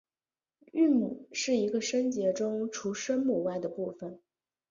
韵母是一个音节中除声母外的部分。